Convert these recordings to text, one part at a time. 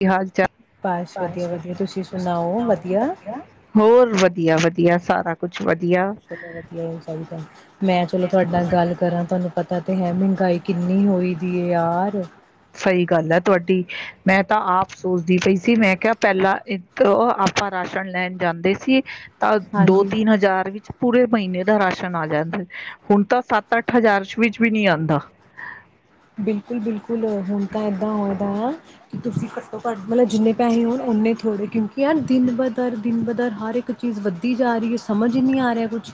ਕਿ ਹਾਲ ਚਾਲ, ਬਸ ਵਧੀਆ-ਵਧੀਆ ਵਧਿਯਾ, ਤੁਸੀਂ ਤੁਸੀ ਸੁਣਾਓ ਸੁਨਾਔ ਵਧੀਆ ਵਧਿਯਾ, ਹੋਰ ਵਧੀਆ ਵਧੀ। ਵਧੀਆ ਸਾਰਾ ਕੁਛ। ਵਧੀਆ ਚਲੋ ਵਧੀਆ ਹੀ ਚਾਹੀਦੈ। ਮੈਂ ਚਲੋ ਤੁਹਾਡੇ ਨਾਲ ਗੱਲ ਕਰਾਂ ਤੁਹਾਨੂੰ ਪਤਾ ਤੇ ਹੈ। ਮਹਿੰਗਾਈ ਕਿੰਨੀ ਹੋਈ ਦੀ ਹੈ ਯਾਰ। ਹਹ ਮੈਂ ਤਾਂ ਆਪ ਸੋਚਦੀ ਪਈ ਸੀ। ਮੈਂ ਕਿਹਾ ਪਹਿਲਾਂ ਇਥੋ ਆਪਾਂ ਰਾਸ਼ਨ ਲੈਣ ਜਾਂਦੇ ਸੀ। ਹਹ ਤਾਂ ਦੋ ਹਾਂਜੀ ਤਿੰਨ ਹਜ਼ਾਰ ਵਿੱਚ ਪੂਰੇ ਮਹੀਨੇ ਦਾ ਰਾਸ਼ਨ ਆ ਜਾਂਦਾ ਹੁਣ ਤਾਂ ਸੱਤ ਅੱਠ ਹਜ਼ਾਰ ਵਿੱਚ ਵੀ ਨਹੀਂ ਆਉਂਦਾ ਬਿਲਕੁਲ- ਬਿਲਕੁਲ ਹੁਣ ਤਾਂ ਏਦਾਂ ਹੋਈ ਦਾ। ਤੁਸੀਂ ਘੱਟੋ ਘੱਟ ਮਤਲਬ ਜਿੰਨੇ ਪੈਸੈ ਹੋਣ ਉਨੇ ਥੋੜ੍ਹੇ ਕਿਉਂਕਿ ਐ ਦਿਨ ਬ ਦਰ ਦਿਨ ਬ ਦਰ ਹਰ ਇੱਕ ਚੀਜ਼ ਵੱਧ ਦੀ ਜਾ ਰਹੀ ਐ। ਸਮਝ ਹੀ ਨਹੀਂ ਆ ਰਿਹਾ ਕੁਛ।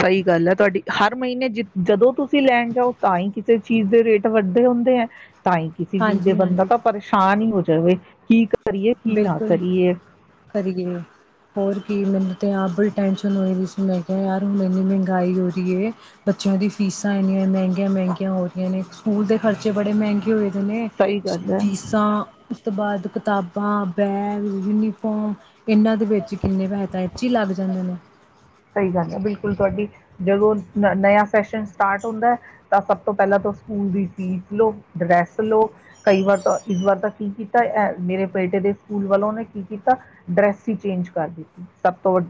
ਸਹੀ ਗੱਲ ਹੈ ਤੁਹਾਡੀ ਹਰ ਮਹੀਨੇ ਜੈ ਜਦੋਂ ਤੁਸੀ ਤੁਸੀਂ ਲੈਣ ਜਾਓ ਤਾਂ ਹੀ ਕਿਸੇ ਚੀਜ਼ ਦੇ ਰੇਟ ਵੱਧਦੇ ਹੁੰਦੇ ਐ। ਤਾਂ ਹੀ ਕਿਸੇ ਚੀਜ਼ ਦੇ ਬੰਦਾ ਹਾਂਜੀ-ਹਾਂਜੀ ਤਾਂ ਪਰੇਸ਼ਾਨ ਹੀ ਹੋ ਜਾਵੇ ਕੀ ਕਰੀਏ ਕੀ ਨਾ ਬਿਲਕੁਲ ਕਰੀਏ। ਕਿ ਮੈਨੂੰ ਤਾਂ ਆਪ ਬੜੀ ਟੈਂਸ਼ਨ ਹੋਈ ਪਈ ਸੀ ਮੈਂ ਕਿਹਾ ਯਾਰ ਹੁਣ ਇੰਨੀ ਮਹਿੰਗਾਈ ਹੋ ਰਹੀ ਐ ਬੱਚਿਆਂ ਦੀ ਫੀਸਾਂ ਇੰਨੀਆਂ ਮਹਿੰਗੀਆਂ ਮਹਿੰਗੀਆਂ ਹੋ ਰਹੀਆਂ ਨੇ ਸਕੂਲ ਦੇ ਖਰਚੇ ਬੜੇ ਮਹਿੰਗੇ ਹੋਏ। ਸਹੀ ਗੱਲ ਹੈ ਫੀਸਾਂ ਉਸ ਤੋਂ ਬਾਅਦ ਕਿਤਾਬ ਬਾ, ਬੈਗ, ਯੂਨੀਫੋਮ ਇਹਨਾਂ ਦੇ ਵਿੱਚ ਕਿੰਨੇ ਪੈਸੈ ਤਾਂ ਇਸ ਚ ਹੀ ਲੱਗ ਜਾਂਦੇ ਨੇ। ਸਹੀ ਗੱਲ ਐ ਬਿਲਕੁਲ ਤੁਹਾਡੀ ਜਦੋਂ ਨਵਾ ਸੈਕਸ਼ਨ ਸਟਾਰਟ ਹੁੰਦਾ ਤਾਂ ਸਭ ਤੋਂ ਪਹਿਲਾਂ ਤੋਂ ਸਕੂਲ ਦੀ ਫੀਸ ਲਓ ਡਰੈਸ ਲਓ ਕਈ ਵਾਰ ਇਸ ਵਾਰ ਤਾਂ ਕੀ ਕੀਤਾ ਮੇਰੇ ਬੇਟੇ ਦੇ ਸਕੂਲ ਵੱਲੋਂ ਉਹਨੇ ਕੀ ਕੀਤਾ ਡਰੈਸ ਹੀ ਚੇਂਜ ਕਰ ਦਿੱਤੀ ਸਭ ਤੋੜ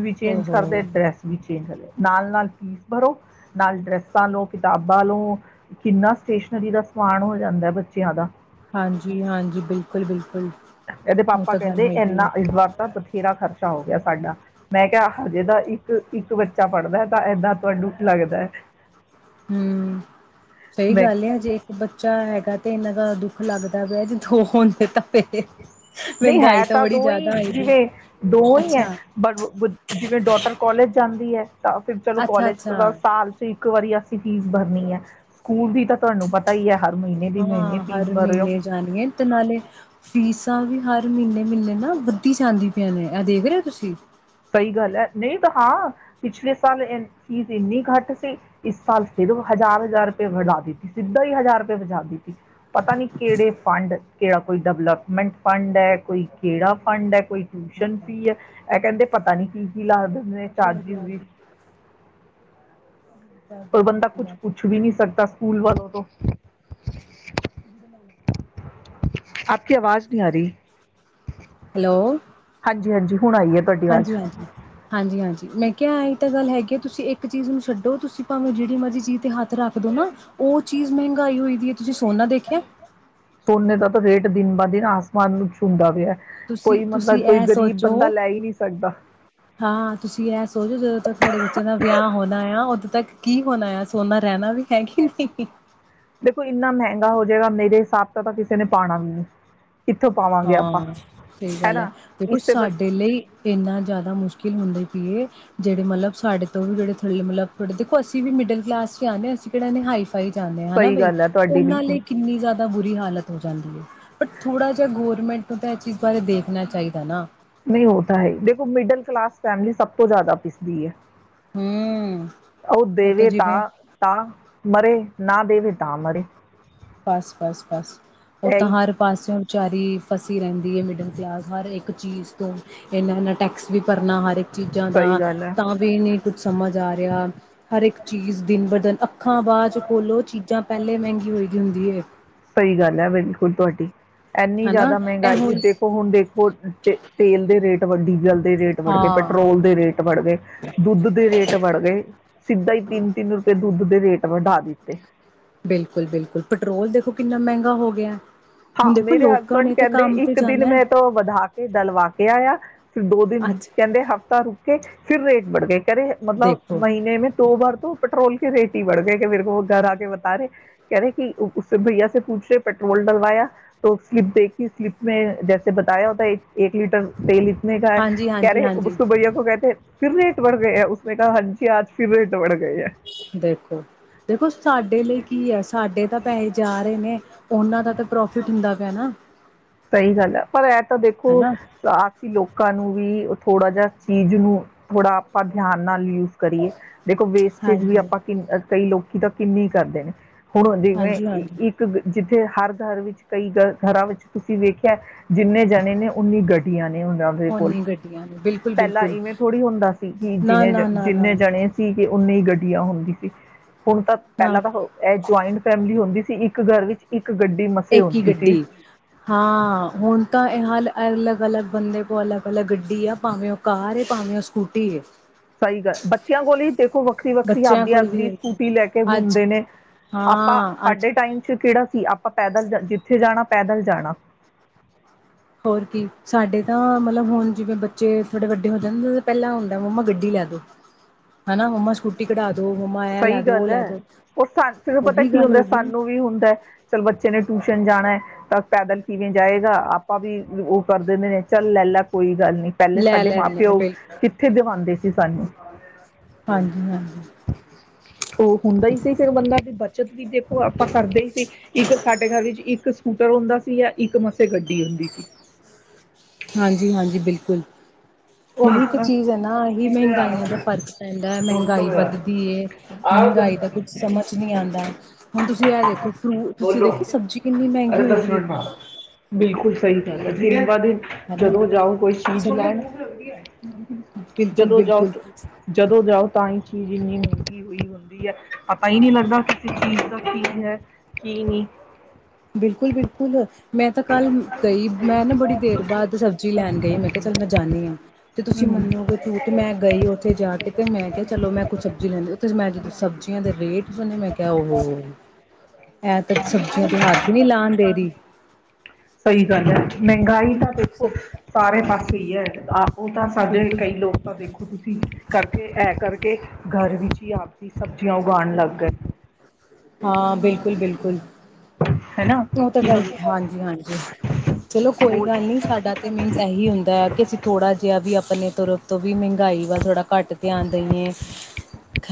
ਵੀ ਚੇਂਜ ਕਰਦੇ ਓਹੋ ਡਰੈਸ ਵੀ ਚੇਂਜ ਕਰਦੇ ਨਾਲ ਨਾਲ ੀ ਭਰੋ ਨਾਲ ਡਰੈਸਾਂ ਲਓ ਕਿਤਾਬਾਂ ਲਓ ਕਿੰਨਾ ਸਟੇਸ਼ਨਰੀ ਦਾ ਸਮਾਨ ਹੋ ਜਾਂਦਾ ਬੱਚਿਆਂ ਦਾ ਹਾਂਜੀ ਹਾਂਜੀ ਬਿਲਕੁਲ ਬਿਲਕੁਲ ਇਹਦੇ ਉਹ ਪਾਪਾ ਤਾਂ ਗੱਲ ਕਹਿੰਦੇ ਹੈਗੀ ਹੈ ਇੰਨਾ ਇਸ ਵਾਰ ਤਾਂ ਬਥੇਰਾ ਖਰਚਾ ਹੋ ਗਿਆ ਸਾਡਾ ਮੈਂ ਕਿਹਾ ਹਜੇ ਤਾਂ ਇੱਕ ਇੱਕ ਬੱਚਾ ਪੜ੍ਹਦਾ ਹੈ ਤਾਂ ਇੰਨਾ ਤੁਹਾਨੂੰ ਲੱਗਦਾ ਹੈ ਹਮ ਸਹੀ ਮੈਂ ਗੱਲ ਹੈ ਜੇ ਇੱਕ ਬੱਚਾ ਹੈਗਾ ਤੇ ਇੰਨਾ ਜ਼ਿਆਦਾ ਦੁੱਖ ਲੱਗਦਾ ਪਿਆ ਜੇ ਦੋ ਹੁੰਦੇ ਤਾਂ ਫੇਰ ਨਹੀਂ ਮਹਿੰਗਾਈ ਹੈ ਤਾਂ ਬੜੀ ਦੋ ਜ਼ਿਆਦਾ ਹੀ ਹੋਈ ਦੀ ਜਿਵੇਂ ਦੋ ਹੀ ਹੈ ਅੱਛਾ ਬ ਜਿਵੇਂ ਡੋਟਰ ਕਾਲਜ ਜਾਂਦੀ ਹੈ ਤਾਂ ਫਿਰ ਚਲੋ ਅੱਛਾ ਕਾਲਜ ਅੱਛਾ ਸਾਲ ਚ ਇੱਕ ਵਾਰੀ ਫੀਸ ਭਰਨੀ ਹੈ ਸਕੂਲ ਦੀ ਤਾਂ ਤੁਹਾਨੂੰ ਪਤਾ ਹੀ ਹੈ ਹਰ ਮਹੀਨੇ ਦੀ ਮਹੀਨੇ ਹਾਂ ਫੀਸ ਹਰ ਭਰ ਰਹੇ ਹੋ ਮਹੀਨੇ ਜਾਣੀ ਹੈ ਤੇ ਨਾਲੇ ਫੀਸਾਂ ਵੀ ਹਰ ਮਹੀਨੇ ਮਹੀਨੇ ਨਾ ਵੱਧਦੀ ਜਾਂਦੀ ਪਈਆਂ ਨੇ ਇਹ ਦੇਖ ਰਹੇ ਹੋ ਤੁਸੀਂ ਸਹੀ ਗੱਲ ਹੈ ਨਹੀਂ ਤਾਂ ਹਾਂ ਪਿਛਲੇ ਸਾਲ ਫੀਸ ਇੰਨੀ ਘੱਟ ਸੀ ਇਸ ਸਾਲ ਫਿਰ ਹਜ਼ਾਰ ਹਜ਼ਾਰ ਰੁਪਏ ਵਧਾ ਦਿੱਤੀ ਸਿੱਧਾ ਹੀ ਹਜ਼ਾਰ ਰੁਪਏ ਵਧਾ ਦਿੱਤੀ ਪਤਾ ਨੀ ਕਿਹੜੇ ਫੰਡ ਕਿਹੜਾ ਕੋਈ ਡਿਵਲਪਮੈਂਟ ਫੰਡ ਹੈ ਕੋਈ ਕਿਹੜਾ ਫੰਡ ਹੈ ਕੋਈ ਟਿਊਸ਼ਨ ਫੀ ਹੈ ਇਹ ਕਹਿੰਦੇ ਪਤਾ ਨੀ ਕੀ ਸ਼ਬਦ ਸਮਝ ਤੋ ਹਾਂਜੀ ਬਾਹਰ ਹਾਂਜੀ ਹਨ ਹਾਂਜੀ ਪਰ ਬੰਦਾ ਕੁਛ ਪੁੱਛ ਵੀ ਨਹੀਂ ਸਕਦਾ ਸਕੂਲ ਵਾਲੋਂ ਤੋਂ ਆਪ ਕੀ ਆਵਾਜ਼ ਨਹੀਂ ਆ ਰਹੀ ਹੈਲੋ ਜਿ ਹਾਂਜੀ। ਹੁਣ ਆਈ ਏ ਤੁਹਾਡੀ ਵਾਜ ਹਾਂਜੀ ਹਾਂਜੀ ਹਾਂਜੀ ਹਾਂਜੀ ਮੈਂ ਕਿਹਾ ਇਹ ਤਾ ਗੱਲ ਹੈ ਕੇ ਤੁਸੀਂ ਇੱਕ ਚੀਜ਼ ਨੂੰ ਛੱਡੋ ਤੁਸੀਂ ਭਾਵੇਂ ਜਿਹੜੀ ਮਰਜ਼ੀ ਜੀ ਤੇ ਹੱਥ ਰੱਖ ਦੋ ਨਾ ਓਹ ਚੀਜ਼ ਮਹਿੰਗਾਈ ਹੋਈ ਦੀ ਏ ਤੁਸੀਂ ਸੋਨਾ ਦੇਖਿਆ? ਉਹਨੇ ਦਾ ਤਾਂ ਰੇਟ ਦਿਨ ਬ ਦਿਨ ਆਸਮਾਨ ਨੂੰ ਛੂੰਡਾ ਪਿਆ ਤੁਸੀਂ ਕੋਈ ਮਤਲਬ ਤੁਸੀਂ ਕੋਈ ਇਹ ਗਰੀਬ ਸੋਚੋ, ਬੰਦਾ ਲੈ ਹੀ ਨਹੀਂ ਸਕਦਾ ਹਾਂ ਤੁਸੀਂ ਇਹ ਸੋਚੋ ਜਦੋਂ ਤ ਸਾਡੇ ਬੱਚਿਆਂ ਦਾ ਵਿਆਹ ਹੋਣਾ ਆ ਓਦੋਂ ਤੱਕ ਕੀ ਹੋਣਾ ਆ ਸੋਨਾ ਰਹਿਣਾ ਵੀ ਹੈ ਕਿ ਨਹੀਂ ਦੇਖੋ ਇੰਨਾ ਮਹਿੰਗਾ ਹੋ ਜਾਏਗਾ ਮੇਰੇ ਹਿਸਾਬ ਤਾਂ ਤਾਂ ਕਿਸੇ ਨੇ ਪਾਣਾ ਵੀ ਨਹੀਂ ਕਿੱਥੋਂ [inaudible] ਪਾਵਾਂਗੇ ਆਪਾਂ ਕਿ ਹੈਨਾ ਇਸ ਤੇ ਬ ਹੁੰਦੇ ਪੀਏ, ਜਿਹੜੇ ਮਤਲਬ ਸਾਡੇ ਤੋਂ ਵੀ ਜਿਹੜੇ ਥੱਲੇ ਮਲਬੇ ਦੇਖੋ ਅਸੀਂ ਵੀ ਮਿਡਲ ਕਲਾਸ ਚੇ ਆਂਨੇ ਆਂ ਅਸੀਂ ਕਿਹੜੇ ਏੱਨੇ ਹਾਈ ਪਾਏ ਜਾਂਨੇ ਹਾਂ ਨਾ ਸਹੀ ਬਈ, ਗੱਲ ਹੈ ਤੁਹਾਡੀ ਓਹਨਾਂ ਬਿਲਕੁਲ ਲਈ ਕਿੰਨੀ ਜ਼ਿਆਦਾ ਬੁਰੀ ਹਾਲਤ ਹੋ ਜਾਂਦੀ ਹੈ ਬ ਥੋੜਾ ਜ ਗੌਰਰਮੈਂਟ ਇਹ ਚੀਜ਼ ਬਾਰੇ ਦੇਖਣਾ ਚਾਹੀਦਾ ਨਾ ਨਹੀਂ ਉਹ ਤਾਂ ਹੈ ਹੀ ਦੇਖੋ ਮਿਡਲ ਕਲਾਸ ਫੈਮਲੀ ਸਭ ਤੋਂ ਜ਼ਿਆਦਾ ਪਿਸਦੀ ਹੈ ਹੂੰ। ਓਹ ਉਹ ਦੇਵੇ ਜਿਵੇਂ ਤਾਂ ਤਾਂ ਮਰੇ ਨਾ ਦੇਵੇ ਤਾਂ ਮਰੇ। ਬਸ ਬਸ ਬਸ, ਉਹ ਤਾਂ ਇਹੀ ਹਰ ਪਾਸੇਓ ਵਿਚਾਰੀ ਫਸੀ ਰਹਿੰਦੀ ਹੈ ਮਿਡਲ ਕਲਾਸ ਹਰ ਇੱਕ ਚੀਜ਼ ਤੋਂ ਇੰਨਾ ਇੰਨਾ ਟੈਕਸ ਵੀ ਭਰਨਾ ਹਰ ਇੱਕ ਚੀਜਾਂ ਸਹੀ ਦਾ, ਗੱਲ ਹੈ ਤਾਂ ਵੀ ਨੀ ਕੁੱਝ ਸਮਝ ਜਾ ਰੇਆ, ਹਰ ਏੱਕ ਚੀਜ਼ ਦਿਨ ਬ ਦਨ ਅੱਖਾਂ, ਬਾਅ ਚ ਖੋਲੋ ਚੀਜਾਂ ਪੈੱਲੇ ਮੈਂਗੀਆਂ ਸਈ ਗੱਲ ਐ ਬ ਹੁਣ ਤੋਡੀ। ਐਂਨੀ ਹਨਾ ਜਆਦਾ ਇਹ ਮੈਂਗਾਈ ਦੇਖੋ ਹੁਣ ਦੇਖੋ, ਤੇਲ ਦੇ ਰੇਟ। ਡੀਜਲ ਦੇ ਰੇਟ ਬੜ ਗਏ, ਹਾਂ ਪੈਟਰੋਲ ਦੇ ਰੇਟ ਬੜ ਗਏ, ਦੁੱਧ ਦੇ ਰੇਟ ਬੜ ਗਏ। ਸਿੱਧਾ ਈ ਤਿੰਨ ਤਿੰਨ ਰੁਪਏ ਦੁੱਧ ਦੇ ਰੇਟ ਵਢਾ ਦਿੱਤੇ ਬਿਲਕੁਲ-ਬਿਲਕੁਲ ਪਟਰੋਲ ਦੇਖੋ ਕਿੰਨਾ ਮੈਂਗਾ ਹੋ ਗੇਆ। ਹਾਂ, ਮੇਰੇ ਹਸਬੰਡ ਕੈਂਦੇ ਇੱਕ ਦਿਨ ਜਾਣਾ ਹੈ ਮੈਂ ਤੋਂ ਵਧਾ ਕੇ ਦਲਵਾ ਕੇ ਆਇਆ ਫਿਰ ਦੋ ਦਿਨ, ਅੱਜ ਕੈਂਦੇ ਹਫ਼ਤਾ ਰੁਕ ਕੇ ਫਿਰ ਰੇਟ- ਬੜਗੇ ਕੈਰੇ ਮਤਲਬ ਦੇਖੋ ਮਹੀਨੇਂ ਦੋ ਬਾਰ ਤੋਂ ਪਟਰੋਲ ਰੇਟ ਹੀ ਬੜ ਗਏ ਕਿ ਮੇਰੇ ਕੋ ਘਰ ਆ ਕੇ ਬਤਾ ਰਹੇ ਕਹਿ ਰਹੇ ਕਿ ਉਸੇ ਭਈਆ ਸ ਪੱਛ ਰਹੇ ਪੈਟਰੋਲ [unintelligible] ਵਾਇਆ ਤਾਂ ਸਲਿਪ ਦੇਖੀ ਸਲਿਪ ਮੈਂ ਜੈਸੇ ਬਤਾਇਆ ਹੋਦਾ ਇੱਕ ਲੀਟਰ ਤੇਲ ਲਟਰ [unintelligible] ਨੇ ਕਿਹਾ ਹਾਂਜੀ ਕਹਿ ਹਾਂਜੀ ਰਹੇ ਹਾਂਜੀ ਬਕ ਭਆ ਕੋ ਕਹਿਤੇ [unintelligible] ਫਿਰ ਰੇਟ ਬੜ ਗਏ ਉਸਨੇ ਕਹਾ ਹਾਂਜੀ, ਆਜ ਫਿਰ ਰੇਟ ਬੜ ਗਏ। ਦੇਖੋ, ਦੇਖੋ ਸਾਡੇ ਲਈ ਕੀ ਐ, ਸਾਡੇ ਤਾਂ ਪੈਹੇ ਜਾ ਰਏ ਨੇ ਓਅਨਾ ਉਹਨਾਂ ਦਾ ਤਾਂ ਪ੍ਰੋਫਿਟ ਹੁੰਦਾ ਪੇਆ ਨਾ। ਸਹੀ ਗੱਲ ਆ। ਪਰ, ਐ ਤਾ ਦੇਖੋ ਹਨਾ ਆ ਅਸੀ ਲੋਕਾਂ ਨੂੰ ਵੀ ਥੋੜਾ ਜੇਆ ਚੀਜ ਨੂ, ਥੋੜਾ ਆਪਾ ਧਿਆਨ ਨਾਲ ਯੂਜ ਕਰੀਏ। ਦੇਖੋ ਵੇਸਟੇਜ਼ ਵੀ ਹਾਂਜੀ ਆਪਾ ਕਿ ਕਈ ਲੋਕ ਤਾਂ ਕਿੰਨੀ ਕਰਦੇ ਨੇ। ਹਾਂਜੀ ਹਾਂਜੀ [unintelligible] ਤੇ ਹਰ ਘਰ ਵਿੱਚ ਕਈ ਘਰਾਂ ਵਿੱਚ ਤੁਸੀ ਵੇਖੇਆ ਜਿੰਨੇ ਜਣੇ ਨੇ ਉਨੀ ਗਡੀਆਂ ਨੇ ਉਨਾਂ ਦੇ ਕੋਲ। ਓਨੀ ਗੱਡੀਆਂ ਨੇ ਬਿਲਕੁਲ ਪੈਲਾ ਬਿਲਕੁਲ ਇਵੇਂ ਥੋੜੀ ਹੁੰਦਾ ਸੀ, ਕਿ ਨਾ ਜਿਨੇ ਜ ਨਾ ਨਾ ਨਾ ਜਿੰਨੇ ਜਣੇ ਸੀਗੇ, ਓਨੀੇ ਗੱਡੀਆਂ ਹੁੰਦੀ ਸੀ। ਹੁਣ ਤਾਂ ਨਾ ਪੈਲਾ ਤਾਂ ਹੋ, ਏ ਜੁਆਇੰਟ ਫੈਮਿਲੀ ਹੁੰਦੀ ਸੀ। ਤੇ ਇੱਕ ਘਰ ਵਿੱਚ ਇੱਕ ਇੱਕ ਗੱਡੀ ਮਸੇ ਇੱਕ ਹੀ ਹੋਂਦੀ ਸੀ। ਗੱਡੀ ਹਾਂ, ਹੁਣ ਤਾਂ ਏ ਹੱਲ ਅਲੱਗ- ਅਲੱਗ ਬੰਦੇ ਕੋਲ ਅਲੱਗ- ਅਲੱਗ ਗੱਡੀ ਆ। ਭਾਵੇਂ ਓ ਕਾਰ ਐ ਭਾਵੇਂ ਓ ਸਕੂਟੀ ਐ। ਸਹੀ ਗੱਲ, ਬੱਚੇਆਂ ਕੋਲ ਈ ਦੇਖੋ ਵੱਖਰੀ- ਵੱਖਰੀ ਬੱਚਿਆਂ ਆਪਦੀ ਕੋਲ ਵੀ ਆਪਦੀ ਹੈਗੀ ਸਕੂਟੀ ਲੈ ਕੇ ਅੱਜ ਘੁੰਮਦੇ ਨੇ। ਆਪਾਂ ਹਾਂ ਅੱਜ ਸਾਡੇ ਟਾਈਮ ਚ ਕੇੜਾ ਆਪਾ ਪੈਦਲ ਜ ਜਿੱਥੇ ਜਾਣਾ ਪੈਦਲ ਜਾਣਾ। ਹੋਰ ਕੀ, ਸਾਡੇ ਤਾਂ ਮਲਬ ਹੋਨ ਜਿਵੇਂ ਬੱਚੇ ਥੋੜੇ ਵੱਡੇ ਹੋ ਜਾਂਦੇ ਪੈਲਾਂ ਹੁੰਦਾ ਮੰਮਾ ਗੱਡੀ ਲੈ ਦੋ। ਹਨਾ ਮੰਮਾ ਸਕੂਟੀ ਕਢਾ ਦੋ ਮੰਮਾ ਇਹ ਲੈ ਸਹੀ ਦੋ ਉਹ ਗੱਲ ਐ, ਲੈ ਦੋ ਓਅ [unintelligible] ਪਤਾ ਉਹੀ ਕੀ ਗੱਲ ਹੁੰਦੈ, ਹੋ ਗਈ ਨਾ ਸਾਨੂੰ ਵੀ ਹੁੰਦੈ ਚਲ ਬੱਚੇ ਨੇ ਟਿਊਸ਼ਨ ਜਾਣੈ। ਤਾਂ ਪੈਦਲ ਕਿਵੇਂ ਜਾਏਗਾ? ਆਪਾਂ ਵੀ ਓ ਕਰ ਦਿੰਦੇ ਨੇ ਚੱਲ ਲੈ ਲੈ ਕੋਈ ਗੱਲ ਨੀ ਪੈਲੇ ਲੈ ਸਾਡੇ ਮਾਂ ਲੈਂਦੇ ਆ ਪਿਓ ਬਿਲ ਕਿੱਥੇ ਦਿਵਾਂਦੇ ਸੀ। [unintelligible] ਹਾਂਜੀ- ਹਾਂਜੀ। ਓ ਹੁੰਦਾ ਹੀ ਸੀ ਫਿਰ ਬੰਦਾ ਵੀ ਬ ਜਦਵੀ ਦੇਖੋ ਓ ਆਪਾਂ ਕਰਦੇ ਹੀ ਸੀ। ਇੱਕ ਸਾਡੇ ਘਰ ਵਿੱਚ ਇੱਕ ਸਕੂਟਰ ਹੁੰਦਾ ਸੀ ਜਾਂ ਇੱਕ ਮਸੇ ਗੱਡੀ ਹੁੰਦੀ ਸੀ। ਹੁਣ ਓਹੀ ਤੇ ਤਾਂ ਚੀਜ਼ ਐ ਨਾ, ਏਹੀ ਮੈਹੰਗਾਈਆਂ ਦਾ ਫ਼ਰਕ ਪੈਂਦਾ ਮੈਹੰਗਾਈ ਵੱਧਦੀ ਏ। ਮੈਹੰਗਾਈ ਦਾ ਕੁਛ ਸਮਝ ਨਹੀਂ ਆਂਦਾ। ਹੁਨ ਤੁਸੀ ਐ ਦੇਖੋ, ਫ੍ਰੂ ਤੁਸੀਂ ਦੇਖੀ ਸਬਜੀ ਕਿੰਨੀ ਮੈਹੰਗੀ ਹੋਈ ਦੀ ਏ। [unintelligible] ਜਦੋ ਜਾਓ ਕੋਈ ਚੀਜ ਸਭ ਲੈਣ ਬਿਲਕੁਲ ਜਦੋਂ ਜਾਓ ਬਿਲਕੁਲ ਜਦੋਂ ਜਾਓ ਤਾਂ ਹੀ ਚੀਜ਼ ਇੰਨੀ ਮੈਹੰਗੀ ਹੋਈ ਹੁੰਦੀ ਐ। ਪਤਾ ਈ ਨੀ ਲੱਗਦਾ, ਕਿਸੇ ਚੀਜ਼ ਦਾ ਠੀਕ ਹੈ ਕੀ ਨੀ [inaudible] ਬਿਲਕੁਲ-ਬਿਲਕੁਲ! ਮੈਂ ਤਾਂ ਕੱਲ੍ਹ ਗਈ ਮੈਂ ਨਾ ਬੜੀ ਦੇਰ ਬਾਦ ਸਬਜ਼ੀ ਲੈਨ ਗਈ ਮੈਂ ਕਿਹਾ ਚੱਲ ਮੈਂ ਜਾਂਨੀ ਆਂ ਤੇ ਤੁਸੀਂ ਹਮ ਮੰਨੋਗੇ ਝੂਠ ਮੈਂ ਗਈ ਔਥੇ ਜਾ ਕੇ ਤੇ ਮੈਂ ਕਿਹਾ ਚਲੋ ਮੈਂ ਕੁਝ ਸਬਜ਼ੀ ਲੈਂਦੀ ਉੱਥੇ ਮੈਂ ਜਦੋਂ ਸਬਜ਼ੀਆਂ ਦੇ ਰੇਟ ਸੁਨੇ ਮੈਂ ਕਿਆ ਔ ਹੋ ਏ ਤਾਂ ਸਬਜ਼ੀਆਂ ਦੇ ਹਥ ਵੀ ਨੀ ਲਾਨ ਦੇਰੀ ਸਈ ਗੱਲ ਐ ਮਹਿੰਗਾਈ ਤਾਂ ਦੇਖੋ ਸਬ ਸਾਰੇ [unintelligible] ਔ ਤਾਂ ਸਾਡੇ ਬਿਲਕੁਲ ਕਈ ਬਿਲਕੁਲ, ਲੋਕ ਤਾਂ ਵੇਖੋ ਵੇਖੀ ਕਰਕੇ ਐ ਕਰਕੇ ਘਰ ਵੀਚ ਈ ਆਪ ਈ ਸਬਜਿਆਂ ਉਗਾਣ ਲਗ ਗਏ ਹਾਂ ਬਿਲਕੁਲ ਬਿਲਕੁਲ ਹੈ ਨਾ ਓ ਤਾ ਕਿ ਗੱਲ ਐ ਹਾਂਜੀ ਮਤਲਬ ਹਾਂਜੀ ਚਲੋ ਕੋਈ ਉਹ ਗੱਲ ਨਈ ਸਾਡਾ ਤੇ ਮੀਨਜ਼ ਏਹੀ ਹੁੰਦਾ ਕਿ ਅਸੀਂ ਥੋੜਾ ਜਿਹਾ ਵੀ ਆਪਨੇ ਤਰਫ਼ ਤੋਂ ਵੀ ਮਹਿੰਗਾਈ ਵਾਲ ਥੋੜਾ ਘੱਟ ਧਿਆਨ ਦਈਏ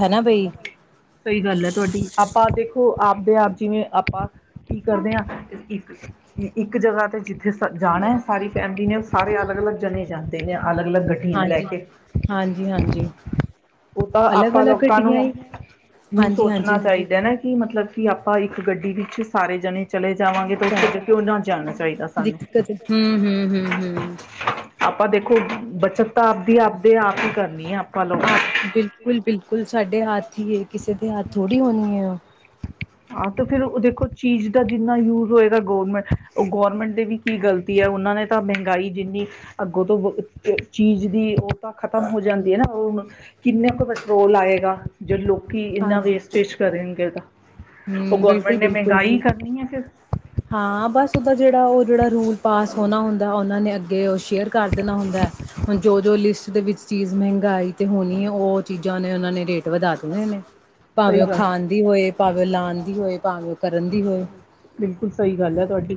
ਹੈਨਾ ਬਈ [unintelligible] ਸਈ ਗੱਲ ਐ ਤੁਆਡੀ ਆਪਾਂ ਦੇਖੋ ਆਪਦੇ ਆਪ ਜਿਵੇਂ ਆਪਾਂ ਕੀ ਕਰਦੇ ਆਂ ਇੱਕ ਜਗ੍ਹਾ ਤੇ ਜਿੱਥੇ ਜਾਣੇ ਸਾਰੀ ਫੈਮਿਲੀ ਨੇ ਸਾਰੇ ਲਗ ਅਲਗ ਜਨੇ ਜਾਦੇ ਆ ਅਲਗ-ਅਲਗ ਗੱਡੀਆਂ ਲੈ ਹਾਂਜੀ, ਕੇ ਹਾਂਜੀ, ਹਾਂਜੀ ਉਹ ਤਾਂ ਅਲੱਗ ਆਪਾਂ ਅਲੱਗ ਲੋਕਾਂ ਨੂੰ ਗੱਡੀਆਂ ਈ ਹੁਨ ਹਾਂਜੀ, ਸੋਚਨਾ ਹਾਂਜੀ ਚਾਈਦਾ ਨਾ ਕਿ ਮਤਲਬ ਕਿ ਅਪ ਪਾ ਇੱਕ ਗੱਡੀ ਵਿੱਚ ਸਾਰੇ ਜਾਨੇ ਚਲੇ ਜਾਵਾਂਗੇ ਤਾ ਚਾਹੇ ਓਥੇ [unintelligible] ਨਾ ਜਾਨਾ ਚਾਹੀਦਾ ਸਾਨੂੰ ਦਿੱਕਤ ਹੂੰ, ਹੂੰ, ਹੂੰ, ਹੂੰ [unintelligible] ਦੇਖੋ ਬੱਚਤ ਤਾਂ ਆਪਦੀ ਆਪ ਹੀ ਕਰਨੀ ਹੈ ਆਪਾਂ ਲੋਕਾਂ ਆਪ ਬਿਲਕੁਲ-ਬਿਲਕੁਲ ਸਾਡੇ ਹੱਥ ਈ ਏ ਕਿਸੇ ਦੇ ਹੱਥ ਥੋੜੀ ਹੋਨੀ ਏ ਔ ਆ ਤੋ ਫੇਰ ਔ ਦੇਖੋ ਚੀਜ਼ ਦਾ ਜਿੰਨਾ ਯੂਜ ਹੋਏਗਾ ਗਵਰਨਮੈਂਟ ਔ ਗੌਰਮੈਂਟ ਦੇ ਵੀ ਕੀ ਗਲਤੀ ਏ? ਔਨਾ ਨੇ ਤਾਂ ਮਹਿੰਗਾਈ ਜਿੰਨੀ ਅੱਗੋਂ ਤੋਂ [unintelligible] ਚੀਜ਼ ਦੀ ਖਤਮ ਹੋ ਜਾਂਦੀ ਏ ਨਾ ਕਿੰਨਾ ਕ ਕੰਟਰੋਲ ਆਏਗਾ ਜੇ ਲੋਕ ਕੀ ਇਨਾ ਹਾਂਜੀ ਵੇਸਟੇਜ ਕਰੇਂਗੇਦਾ ਔ ਹੂੰ ਗੌਰਮੈਂਟ ਬਿਲਕੁਲ, ਨੇ ਬਿਲਕੁਲ ਮਹਿੰਗਾਈ ਈ ਕਰਨੀ ਐ ਫੇਰ। ਹਾਂ, ਬਾਸ ਔਦਾ ਜੇੜਾ ਔ ਜੇੜਾ ਔ ਰੂਲ ਪਾਸ ਹੋਨਾ ਹੁੰਦਾ ਔਨਾਂ ਨੇ ਅੱਗੇ ਔ ਸ਼ੇਅਰ ਕਰ ਦੇਨਾ ਹੁੰਦੈ। ਹੁਨ ਜੋ-ਜੋ ਲਿਸਟ ਦੇ ਵਿੱਚ ਚੀਜ਼ ਮਹਿੰਗਾਈ ਤੇ ਹੋਨੀ ਏ ਔ-ਔ ਚੀਜਾਂ ਨੇ ਔਨਾਂ ਨੇ ਰੇਟ ਵਧਾ ਦੇਨੇੇ ਨੇ। ਸਹੀ ਭਾਵੇਂ ਔ ਗੱਲ। ਖਾਨ ਦੀ ਹੋਏ, ਭਾਵੇਂ ਔ ਲਾਨ ਦੀ ਹੋਏ, ਭਾਵੇਂ ਔ ਕਰਨ ਦੀ ਹੋਏ। ਸਈ ਗੱਲ ਐ ਤੁਆਡੀ,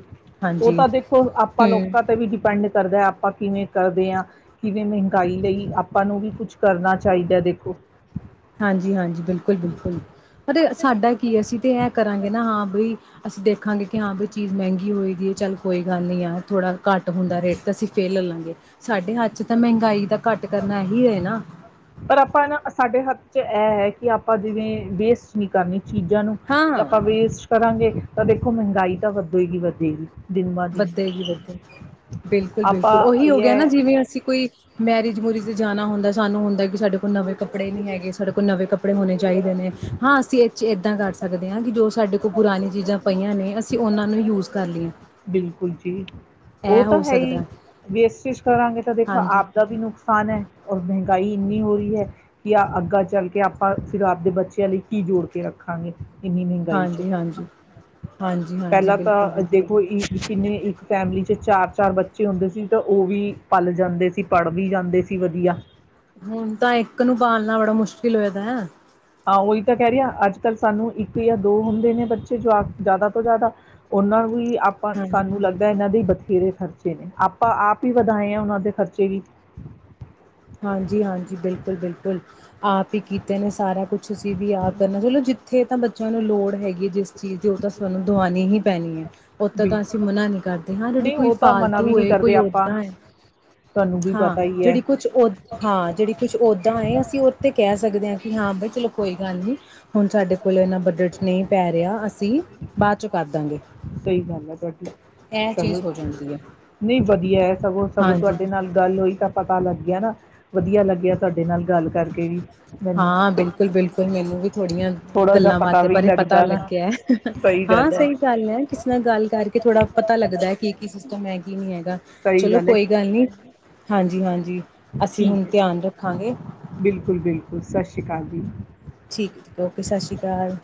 ਔ ਹਾਂਜੀ ਤਾਂ ਦੇਖੋ ਆਪਾਂ ਹੂੰ ਲੋਕਾਂ ਤੇ ਵੀ ਡਿਪੈਂਡ ਕਰਦ ਆਪਾਂ ਕਿਵੇਂ ਕਰਦੇ ਆਂ ਕਿਵੇਂ ਮਹਿੰਗਾਈ ਲਈ ਆਪਾਂ ਨੂੰ ਵੀ ਕੁਝ ਕਰਨਾ ਚਾਹਿਦਾ ਦੇਖੋ ਹਾਂਜੀ- ਹਾਂਜੀ ਬਿਲਕੁਲ। ਬਈ ਬਿਲਕੁਲ। ਅਰੇ, ਸਾਡਾ ਕੀ ਏ ਅਸੀਂ ਤੇ ਐ ਕਰਾਂਗੇ ਨਾ ਹਾਂ ਬਈ ਅਸੀਂ ਦੇਖਾਂਗੇ ਕਿ ਹਾਂ ਬੀ ਚੀਜ਼ ਮਹਿੰਗੀ ਹੋਏਗੀ ਚਲ ਕੋਈ ਗੱਲ ਨਹੀਂ ਆ ਥੋੜਾ ਘੱਟ ਹੁੰਦਾ ਰੇਟ ਤਾਂ ਅਸੀਂ ਫੇਲ ਹੋ ਲਾਂਗੇ ਸਾਡੇ ਹੱਥ ਚ ਮਹਿੰਗਾਈ ਦਾ ਘੱਟ ਕਰਨਾ ਹੀ ਹੈ ਨਾ- ਤੇ, ਇਹ ਹੈ ਕਿ ਆਪਾਂ ਦੋਵੇਂ ਵੇਸਟ ਨਹੀਂ ਕਰਨੀ। ਚੀਜ਼ਾਂ ਨੂੰ ਜੇ ਹਾਂ। ਆਪਾਂ ਵੇਸਟ ਕਰਾਂਗੇ ਤਾਂ ਦੇਖੋ ਮਹਿੰਗਾਈ ਦਾ ਵਧੇਗੀ ਵਧੇਗੀ। ਵੱਧੇ ਜੀ ਵੱਧੇ ਬਿਲਕੁਲ -ਬਿਲਕੁਲ ਆਪਾਂ ਉਹੀ ਹੈ ਗਾ ਨਾ ਇਹ ਜਿਵੇਂ ਅਸੀਂ ਕੋਈ ਮੈਰਿਜ ਮੂਰੀਜ ਤੇ ਜਾਣਾ ਹੁੰਦਾ। ਸਾਨੂੰ ਹੁੰਦਾ ਕਿ ਸਾਡੇ ਕੋਲ ਨਵੇਂ ਕੱਪੜੇ ਨਹੀਂ ਹੈਗੇ। ਸਾਡੇ ਕੋਲ ਨਵੇਂ ਕੱਪੜੇ ਹੋਣੇ ਚਾਹੀਦੇ ਨੇ। ਹਾਂ ਅਸੀਂ ਏਦਾਂ ਕਰ ਸਕਦੇ ਹਾਂ ਜਿਦੋ ਸਾਡੇ ਪੁਰਾਣੀ ਚੀਜ਼ਾਂ ਪਈਆਂ ਨੇ ਅਸੀਂ ਉਹਨਾਂ ਨੂੰ ਯੂਜ਼ ਕਰ ਲੀਏ। ਬਿਲਕੁਲ ਜੀ। ਉਹ ਤਾਂ ਹੈ ਹੀ, ਸਕਦਾ। ਵੇਸਟੀਜ ਕਰਾਂਗੇ ਤਾਂ ਦੇਖੋ ਹਾਂਜੀ, ਆਪ ਦਾ ਵੀ ਨੁਕਸਾਨ ਹੈ। ਔਰ ਮਹਿੰਗਾਈ ਇਨੀ ਹੋ ਰਹੀ ਹੈ ਕਿ ਆ ਅੱਗਾਾਂ ਚੱਲ ਕੇ ਆਪਾਂ ਫਿਰ ਆਪਦੇ ਬੱਚਿਆਂ ਲਈ ਕੀ ਜੋੜ ਕੇ ਰੱਖਾਂਗੇ। ਇੰਨੀ ਮਹਿੰਗਾਈ 'ਚ ਹਾਂਜੀ -ਹਾਂਜੀ- ਹਾਂਜੀ -ਹਾਂਜੀ, ਪਹਿਲਾਂ ਬਿਲਕੁਲ- ਤਾਂ ਬਿਲਕੁਲ। ਦੇਖੋ ਇ ਕਿੰਨੇ ਇੱਕ ਫੈਮਿਲੀ ਚ ਚਾਰ -ਚਾਰ ਬੱਚੇ ਹੁੰਦੇ ਸੀ। ਤਾਂ ਉਹ ਵੀ ਪਲ ਜਾਂਦੇ ਸੀ। ਪੜ ਵੀ ਜਾਂਦੇ ਸੀ ਵਧੀਆ। ਹੁਣ ਤਾਂ ਇੱਕ ਨੂੰ ਪਾਲਣਾ ਬੜਾ ਮੁਸ਼ਕਿਲ ਹੋਏਦਾ ਹੈ। ਹਾਂ ਉਹੀ ਤਾਂ ਕਹਿ ਰਹੀ ਆ ਅੱਜ ਕੱਲ੍ਹ ਸਾਨੂੰ ਇੱਕ ਜਾਂ ਦੋ ਹੁੰਦੇ ਨੇ ਬੱਚੇ ਜਾਂ ਜ਼ਿਆਦਾ ਤੋਂ ਜ਼ਿਆਦਾ ਉਹਨਾਂ ਨੂੰ ਹੀ ਆਪਾਂ, ਹਾਂਜੀ, ਸਾਨੂੰ ਲੱਗਦਾ ਇਹਨਾਂ ਦੇ ਬਥੇਰੇ ਖਰਚੇ ਨੇ, ਆਪਾਂ ਆਪ ਹੀ ਵਧਾਏ ਆ ਉਹਨਾਂ ਦੇ ਖਰਚੇ ਵੀ ਹਾਂਜੀ- ਹਾਂਜੀ, ਬਿਲਕੁਲ -ਬਿਲਕੁਲ ਆਪ ਹੀ ਕੀਤੇ ਨੇ ਸਾਰਾ ਕੁਛ ਅਸੀਂ ਵੀ ਆਪ ਕਰਨਾ ਚਲੋ ਜਿੱਥੇ ਤਾਂ ਬੱਚਿਆਂ ਨੂੰ ਲੋੜ ਹੈਗੀ ਹੈ। ਜਿਸ ਚੀਜ਼ ਦੀ ਉਹ ਤਾਂ ਸਾਨੂੰ ਦਵਾਉਣੀ ਹੀ ਪੈਣੀ ਹੈ। ਉਹ ਤਾਂ ਤਾਂ ਬਿਲਕੁਲ, ਅਸੀਂ ਮਨਾ ਨਹੀਂ ਕਰਦੇ, ਹਾਂ ਜਿਹੜੀ ਨਹੀਂ ਕੋਈ ਉਹ ਤਾਂ ਮਨਾ ਵੀ ਫਾਲਤੂ ਨਹੀਂ ਹੈ ਕੋਈ ਕਰਦੇ ਆਪਾਂ। ਦਾਂ ਹੈ ਤੁਹਾਨੂੰ ਵੀ ਹਾਂ ਪਤਾ ਹੀ ਹੈ। ਜਿਹੜੀ ਕੁਛ ਹਾਂ ਜਿਹੜੀ ਕੁੱਛ ਔਦਾਂ ਏ ਅਸੀਂ ਉਹ ਤ ਕਹਿ ਸਕ ਸਕਦੇ ਹਾਂ, ਕਿ ਹਾਂ ਬ ਚਲੋ ਕੋਈ ਗੱਲ ਨੀ ਹੁਣ ਸਾਡੇ ਕੋਲ ਇਨਾ ਬਜਟ ਚ ਨਹੀਂ ਪੈ ਰਿਹਾ ਅਸੀਂ ਬਾਅਦ ਚ ਕਰ ਦਾਂਗੇ। ਸਹੀ ਗੱਲ ਹੈ ਤੁਹਾਡੀ, ਇਹ ਚਲੋ ਚੀਜ਼ ਹੋ ਜਾਂਦੀ ਹੈ। ਨਹੀਂ ਵਧੀਆ ਹੈ। ਸਗੋਂ ਸਗੋਂ ਹਾਂਜੀ ਤੁਹਾਡੇ ਨਾਲ ਗੱਲ ਹੋਈ ਤਾਂ ਪਤਾ ਲੱਗ ਗਿਆ ਨਾ ਵਧੀਆ ਲੱਗਿਆ ਤੁਹਾਡੇ ਨਾਲ ਗੱਲ ਕਰਕੇ ਵੀ, ਮੈਨੂੰ ਹਾਂ ਬਿਲਕੁਲ ਬਿਲਕੁਲ ਮੈਨੂੰ ਵੀ ਥੋੜੀਆਂ ਥੋੜਾ ਜਹਾ ਗੱਲਾਂ ਪਤਾ ਬਾਤਾਂ ਵੀ ਬਾਰੇ ਪਤਾ ਲੱਗਦਾ ਨਾ ਸਹੀ ਗੱਲ ਹੈ। ਯਾਰ ਕਿਸੇ ਨਾਲ ਗੱਲ ਕਰਕੇ ਥੋੜਾ ਪਤਾ ਲੱਗਦਾ ਹੈ ਕੀ, ਕਿ ਸਿਸਟਮ ਹੈ ਕਿ ਨਹੀਂ ਹੈ। ਸਹੀ ਚਲੋ ਕੋਈ ਗੱਲ ਨੀ ਹੈ। ਹਾਂ ਜੀ ਹਾਂਜ ਜੀ, ਅਸੀਂ ਹੁਣ ਧਿਆਨ ਰੱਖ ਬਿਲਕੁਲ-ਬਿਲਕੁਲ ਸਤਿ ਸ਼੍ਰੀ ਅਕਾਲ ਜੀ। ਠੀਕ ਹੈ ਓਕੇ ਸਤਿ ਸ਼੍ਰੀ ਅਕਾਲ।